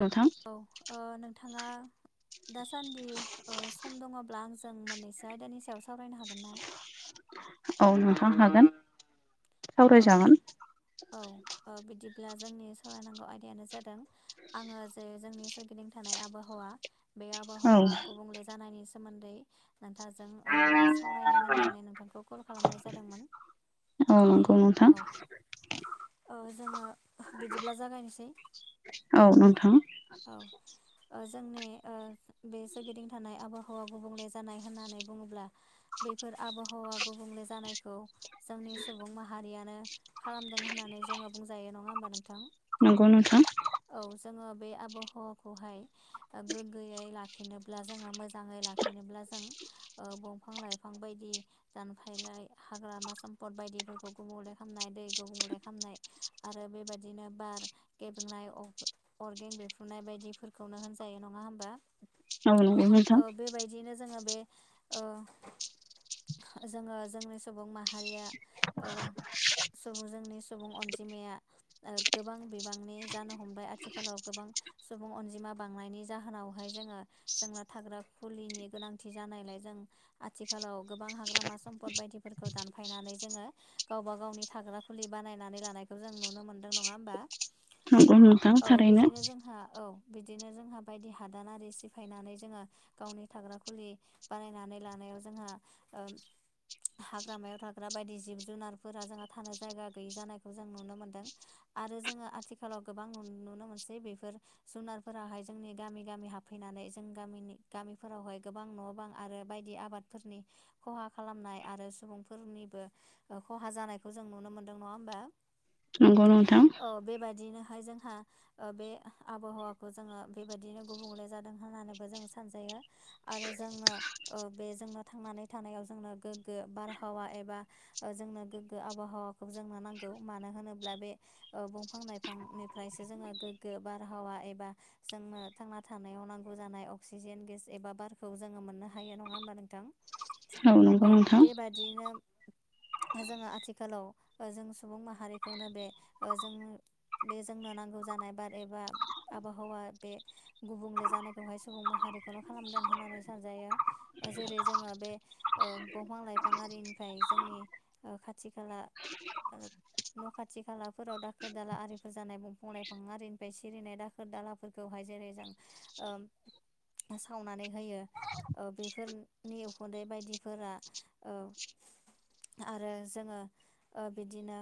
नोंथां। औ ओ नोंथाङा दासान्दि सम दङब्ला आंजों मोन्नैसो आयदानि सायाव सावरायनो हागोन ना? औ नोंथां हागोन। औ, सावरायजागोन औ ओ बिदिब्ला जोंनि सावरायनांगौ आयदायानो जादों। आङो जे जोंनि सोरगिदिं थानाय आबाहावा बे औ आबाहावा गुबुंले जानायनि सोमोन्दै नोंथाजों सावरायनो होननानै नोंथांखौ कल खालामनाय जादोंमोन। अ नंगौ नोंथां। औ जोङो बिदिब्ला जागायनोसै औ नोंथां औ। जोंनि बे सोरगिदिं थानाय आबहावा गुबुंले जानाय होननानै बुङोब्ला। बेैफोर आबहावा गुबुंले जानायखौ जोंनि सुबुं माहारियानो खालामदों होननानै जोङो बुंजायो नङा होमबा नोंथां? नगौ नोंथां। औ जोङो बे आबहावाखौहाय गोग्गोयै लाखिनोब्ला जोङो मोजाङै लाखिनोब्ला जों बंफां -लाइफां बायदि दानफैलाय हाग्रामा, सम्फद बायदि। फोरखौ गुबुंले खामनाय दै गुबुंले खामनाय आरो बेबायदिनो बार गेबेंनाय अर्गें बिफ्रुनाय बायदिफोरखौनो होनजायो नङा। होमबा औ नंगौ नोंथां ओ बेबायदिनो जों जोङो बे ओ जोङो जोंनि सुबुं माहारिया ओ सुबुं जोंनि सुबुं अनजिमाया गोबां बिबांनि जानो हमबाय आथिखालाव गोबां सुबुं अनजिमा बांनायनि जाहोनावहाय जोङो जोंना थाग्रा कुलिनि गोनांथि जानायलाय जों आथिखालाव गोबां हाग्रामा सम्पद बायदिफोरखौ दानफायनानै जोङो गावबा गावनि थाग्रा कुलि बानायनानै लानायखौ जों नुनो मोन्दों नङा होमबा? नंगौ नोंथां औ थारैनो बिदिनो जोंहा औ। बिदिनो जोंहा बायदि हादानारि सिफायनानै जोङो गावनि थाग्रा खुलि बानायनानै लानायाव जोंहा ओ हाग्रामायाव थाग्रा बायदि जिब जुनारफोरा जोंहा थानो जायगा गैयि जानायखौ जों नुनो मोनदों। आरो जोङो आथिखालाव गोबां नुनो मोनसै बेफोर जुनारफोराहाय जोंनि गामि गामि हाबफैनानै जों गामिनि गामिफोरावहाय गोबां न' बां आरो बायदि आबादफोरनि खहा खालामनाय आरो सुबुंफोरनिबो खहा जानायखौ जों नुनो मोनदों नङा होमबा? नंगौ नोंथां। औ बेबायदिनोहाय जोंहा ओ बे आबहावाखौ जोङो बेबायदिनो गुबुंले जादों होननानैबो जों सानजायो। आरो जोङो ओ बे जोंनो थांनानै थानायाव जोंनो गोग्गो बारहावा एबा ओ जोंनो गोगो आबहावाखौ जोंनो नांगौ मानो होनोब्ला बे ओ बंफां लाइफांनिफ्रायसो जोङो गोग्गो बारहावा एबा जोंनो थांना थानायाव नांगौ जानाय अक्सिजेन गेस एबा बारखौ जोङो मोननो हायो नङा होमबा नोंथां? औ। नंगौ औ नोंथां बेबादियैनो जोङो आथिखालाव जों सुबुं माहारिखौनो बे जों बे जोंनो नांगौ जानाय बाद एबा आबहावा बे गुबुंले जानायखौहाय सुबुं माहारिखौनो खालामदों होननानै सानजायो। जेरै जोङो बे ओ बंफां लाइफां आरिनिफ्राय जोंनि ओ खाथि खाला आरो न' खाथि खालाफोराव दाखोर दाला आरिफोर जानाय बंफां लाइफां आरिनिफ्राय सिरिनाय दा दालाफोरखौहाय जेरै जों ओ सावनानै होयो ओ बेफोरनि उखुन्दै बायदिफोरा ओ आरो जोङो ओ बिदिनो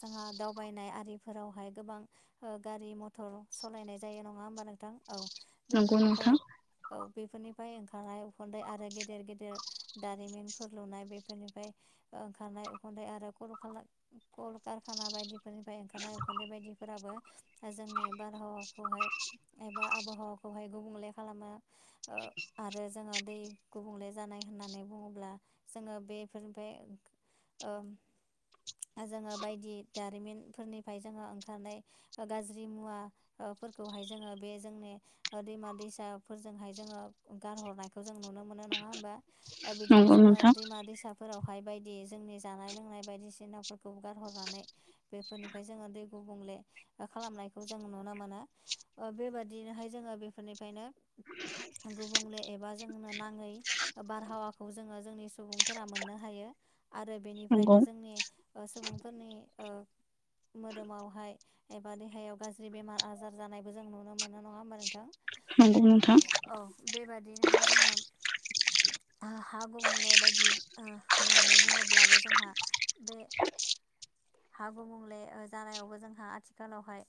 जोंहा दावबायनाय आरिफोरावहाय गोबां ओ गारि मथर सलायनाय जायो नङा होमबा नोंथां? औ नंगौ बेफोरनिफ्राय नोंथां औ बेफोरनिफ्राय ओंखारनाय उखुन्दै आरो गेदेर गेदेर दारिमिनफोर लुनाय बेफोरनिफ्राय ओंखारनाय उखन्दै आरो करखार कल कारखाना बायदिफोरनिफ्राय ओंखारनाय उखुन्दै बायदिफोराबो जोंनि बारहावाखौहाय एबा आबहावाखौहाय गुबुंले खालामो। ओ आरो जोङो दै गुबुंले जानाय होननानै बुङोब्ला जोङो बे ओमफ्राय ओं जोङो बायदि दारिमिनफोरनिफ्राय जोङो ओंखारनाय ओ गाज्रि मुवा ओ फोरखौहाय जोङो बे जोंनि ओ दैमा दैसाफोरजोंहाय जोङो गारहरनायखौ जों नुनो मोनो नङा होमबा? ओ बिदिनो नंगौ जोङो नोंथां दैमा दैसा फोरावहाय बायदि जोंनि जानाय लोंनाय बायदिसिनाफोरखौ गारहरनानै बेफोरनिफ्राय जोङो दै गुबुंले खालामनायखौ जों नुनो मोनो। ओ बेबादिनोहाय जोङो बेफोरनिफ्रायनो गुबुंले एबा जोंनो नाङै बारहावाखौ जोङो जोंनि सुबुंफोर मोननो हायो आरो नंगौ बेनिफ्रायनो जोंनि ओ सुबुंफोरनि ओ मोदोमावहाय एबा देहायाव गाज्रि बेमार आजार जानायबो जों नुनो मोनो नङा होमबा नोंथां? नंगौ नोंथां औ बेबादिनोहाय जोङो हा गुमुनाय बायदि होननानै बुङोब्लाबो जोंहा बे हाग मुंले जानायावबो जोंहा आथिखालावहाय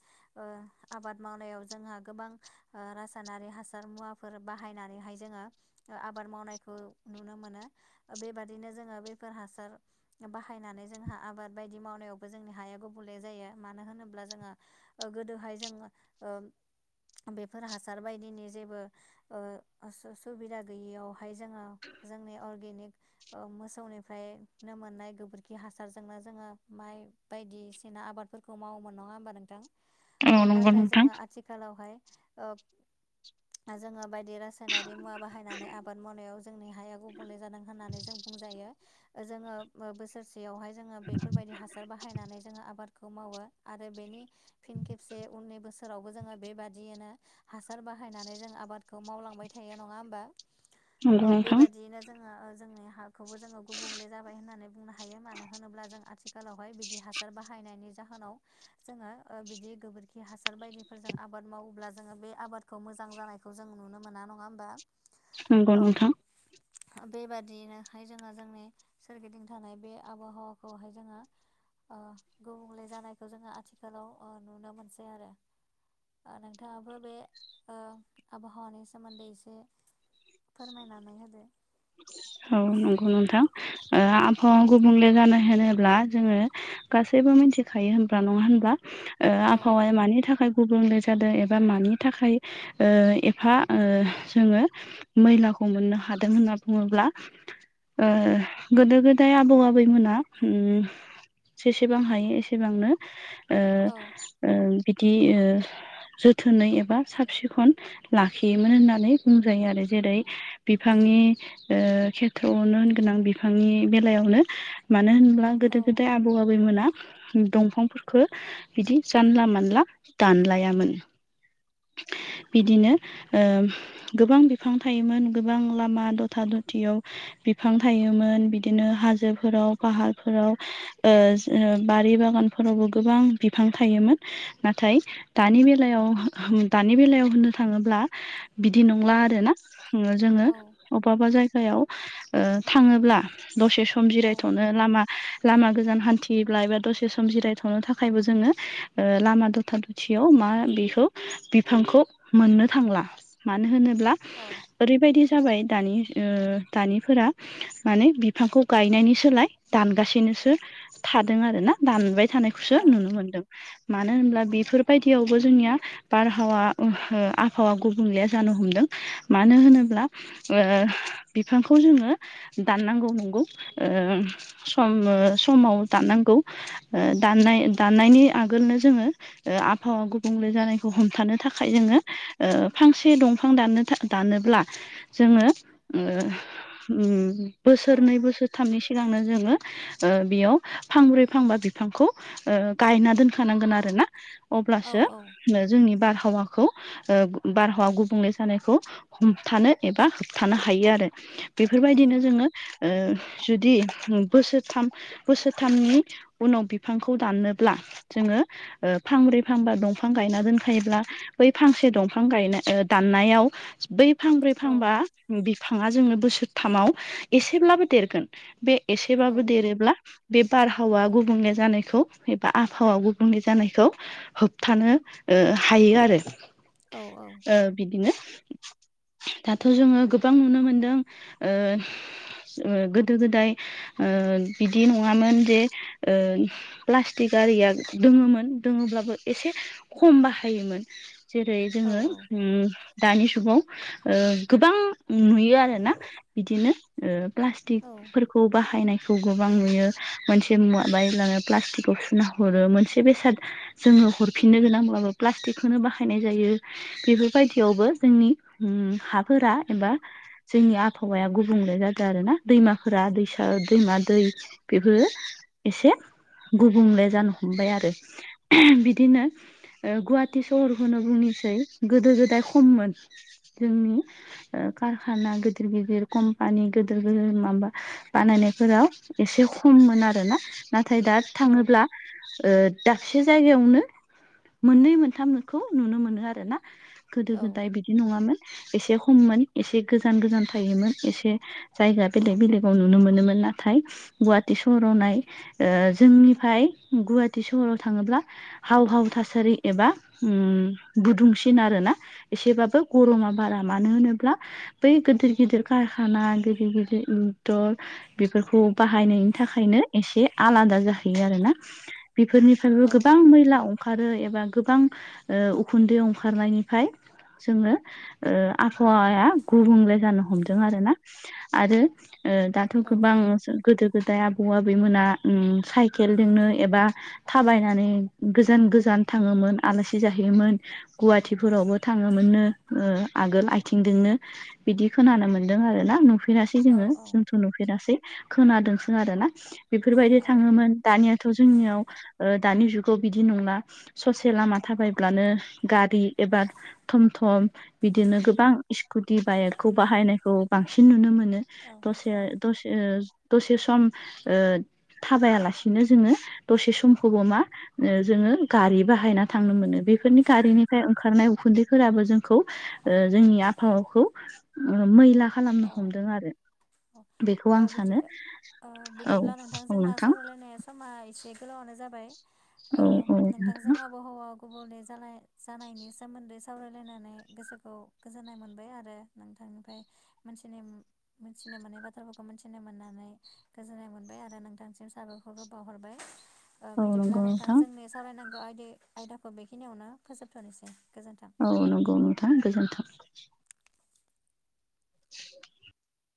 आबाद मावनायाव जोंहा गोबां रासायनारि हासार मुवाफोर बाहायनानैहाय जोङो आबाद मावनायखौ नुनो मोनो बेबादिनो जोङो बेफोर हासार बाहायनानै जोंहा आबाद बायदि मावनायावबो जोंनि हाया गुबुंले जायो मानो होनोब्ला जोङो ओ गोदोहाय जों ओ बेफोर हासार बायदिनि जेबो ओ सु-सुबिदा गैयियावहाय जोङो जोंनि अर्गेनिक ओ मोसौनिफ्रायनो मोननाय गोबोरखि हासारजोंनो जोङो माइ बायदिसिना आबादफोरखौ मावोमोन नङा होमबा नोंथां औ नंगौ नाथाय नोंथां जोङो आथि खालावहाय ओ जोङो बायदि रासायनारि मुवा बाहायनानै आबाद मावनायाव जोंनि हाया गुबुंले जादों होननानै जों बुंजायो जोङो बोसोरसेयावहाय जोङो बेफोरबायदि हासार बाहायनानै जोङो आबादखौ मावो आरो बेनि फिन खेबसे उननि बोसोरावबो जोङो बेबादियनो हासार बाहायनानै जों आबादखौ मावलांबाय थायो नङा होमबा औ नंगौ नोंथां बेबादियैनो जोङो जोंनि हाखौबो जोङो गुबुंले जाबाय होननानै बुंनो हायो मानो होनोब्ला जों आथिखालावहाय बिदि हासार बाहायनायनि जोनाव जोङो बिदि गोबोरखि हासार बायदिफोरजों आबाद मावोब्ला जोङो बे आबाद मोां जानायखौ जों नुनो मोना नङा हबा नंगौ नोंथां औ बेब दिनोहाय जोङो जोंनि सोरगिदिं थानाय बे आबहावाखौहाय जोङो गुबुंले जानायखौ जोङो आथिखालाव नुनो मोनसै आरो नोंथाङाबो बे आबहावानि सोमोन्दै एसे फोरमायनानै होदो औ नंगौ नोंथां आबहावा गुबुंले जानो होनोब्ला जोङो गासैबो मिथिखायो होनब्रा नङा होनब्ला औ आबहावाया मानि थाखाय गुबुंले जादों एबा मानि थाखाय एफा जोङो मैलाखौ मोननो हादों होनना बुङोब्ला गोदो गोदाय आबौ आबैमोना जेसेबां हायो एसेबांनो औ बिदि जोथोनै एबा साब सिखन लाखियोमोन होननानै बुंजायो आरो जेरै बिफांनि ओ खेथ्रआवनो होनगोनां बिफांनि बेलायावनो मानो होनब्ला गोदो औ गोदाय आबौ आबैमोना दंफांफोरफोरखौ बिदि जानला मानला दानलायामोन बिदिनो गोबां बिफां थायोमोन गोबां लामा दथा दथियाव बिफां थायोमोन बिदिनो हाजोफोराव फाहारफोराव ओ बारि बागानफोरावबो गोबां बिफां थायोमोन नाथाय दानि बेलायाव दानि बेलायाव होननो थाङोब्ला बिदि औ नंला आर ना जोङो औ अबावबा जायगायाव थाङोब्ला दसे सम औ जिरायथ'नो लामा लामा गोजान हान्थियोब्ला एबा दसे सम जिरायथ'नो थाखायबो जोङो लामा दथा खाथियाव मा बेखौ बिफांखौ मोननो थांला मानो होनोब्ला औ ओरैबायदि जाबाय दानि ओ दानिफोरा माने बिफांखौ गायनायनि सोलाय दानगासिनोसो थादों आरो ना दानबाय थानायखौसो औ नुनो मोनदों। मानो होनब्ला बेफोरबायदियावबो जोंनिया बारहावा ओहो आबहावा गुबुंले जानो हमदों मानो होनोब्ला ओह बिफांखौ जोङो दाननांगौ नंगौ ओम सम ओ समाव दाननांगौ ओह दाननाय दाननायनि आगोलनो जोङो ओह आबहावा गुबुंले जानायखौ हमथानो थाखाय जोङो ओह फांसे दंफां दाननो था दानोब्ला जोङो ओह औ बोसोरनै बोसोरथामनि सिगांनो जोङो ओह बेयाव फांब्रै फांबा बिफांखौ ओह गायना दोनखानांगोन आरो ना औ अब्लासो जोंनि बारहावाखौ ओह बारहावा गुबुंले जानायखौ हमथानो एबा होबथानो हायो आरो बेफोरबायदिनो जोङो ओ जुदि बोसोरथाम बोसोरथामनि उनाव बिफांखौ दाननोब्ला जोङो ओह फांब्रै फांबा दंफां गायना दोनखायोब्ला बै फांसे दंफां गायनाय ओह दाननायाव बै फांब्रै फांबा बिफाङा जोंनो बोसोरथामाव एसेब्लाबो देरगोन बे औ एसेबाबो देरोब्ला बे बारहावा गुबुंले जानायखौ एबा आबहावा गुबुंले जानायखौ होबथानो ओ हायो आरो औ औ बिदिनो दाथ' जोङो गोबां नुनो मोनदों ओ ओ गोदो गोदाय ओह बिदि नङामोन जे ओ प्लास्टिक आरिया दोङोमोन दोङोब्लाबो एसे खम बाहायोमोन जेरै जोङो उम दानि समाव गोबां नुयो आरोना बिदिनो ओह औ प्लास्टिकफोरखौ बाहायनाय खौ गोबां नुयो मोनसे मुवा बायब्लानो प्लास्टिकखौ सुना हरो मोनसे बेसाद जोङो हरफिननो गोनांब्लाबो प्लास्टिकखौनो बाहायनाय जायो बेफोरबायदियावबो जोंनि उम हाफोरा एबा जोंनि आबहावाया गुबुंले जादों आरोना दैमाफोरा दैसा दैमा दै बेफोरो एसे गुबुंले जानो हमबाय आरो बिदिनो ओ गुवाहाटि सोहोरखौनो बुंनिसै गोदो गोदाय खममोन जोंनि कारखाना गिदिर गिदिर कम्पानि गिदिर गिदिर माबा बानायनायफोरा एसे खममोन आरोना नाथाय दा थाङोब्ला ओह दाबसे जायगायावनो मोननै मोनथामखौ नुनो मोनो आरो ना गोदो गोदाय बिदि नङामोन एसे हममोन एसे गोजान गोजान थायोमोन एसे जायगा बेलेग बेलेगाव नुनो मोनोमोन नाथाय गुवाहाटि सहराव नाय ओ जोंनिफ्राय गुवाहाटि सहराव थाङोब्ला हाव हाव थासारि एबा हुम गुदुंसिन आरोना एसेबाबो गरमा बारा मानो होनोब्ला बै गिदिर गिदिर कारखाना गिदिर गिदिर इटन बेफोरखौ बाहायनायनि थाखायनो एसे आलादा जाहैयो आरोना बेफोरनि गोबां मैला अंखारो एबा गोबां उखुन्दै अंखारनायनिफ्राय जोङो ओ आबहावाया गुबुंले जानो हमदों आरोना आरो ओह दाथ' गोबां गोदो गोदाय आबौ आबैमोना उम साइकेलजोंनो एबा थाबायनानै गोजान गोजान थाङोमोन आलासि जाहैयोमोन गुवाहाटिफोरावबो थाङोमोननो ओ आगोल आथिंजोंनो बिदि खोनानो मोनदों आरो ना नुफेरासै जोङो जों नुफेरासै खोनादोंसो आरो ना बेफोरबायदि थाङोमोन दानियाथ' जोंनियाव दानि जुगाव बिदि नंला ससे लामा थाबायब्लानो गारि एबा थम थम बिदिनो गोबां स्कुटि बाइकखौ बाहायनायखौ बांसिन नुनो मोनो औ दसे द दसे सम थाबायालासिनो जोङो दसे समखौबो मा जोङो गारि बाहायना थांनो मोनो बेफोरनि गारिनिफ्राय ओंखारनाय उखुन्दैफोराबो जोंखौ जोंनि आफहावाखौ मैला खालामनो औ औ हमदों आरो। बेखौ आं बिदि सानो औ बिदिब्ला औ नोंथांजोंना नोंथां सावरायलायनाय समा एसे गोलावनो जाबाय औ औ नोंथां नोंथांजों आबहावा गुबुंले जालाय जानायनि सोमोन्दै सावरायलायनानै गोसोखौ गोजोननाय मोनबाय आरो नोंथांनिफ्रायथि मोनथिनो मोनथिनो मोननाय बाथ्राफोरखौ खौ मिथिनो मोननानै गोजोननाय मोनबाय आरो नोंथांसिम साबाखौरबो बावहरबाय औ बिदिब्ला नंगौ नोंथां जोंनि सावरायनांगौ आयदि आयदाखौ बेखिनियावनो फोजोबथ'नोसै गोजोन्थों। औ नंगौ नोंथां गोजोन्थों। [unintelligible]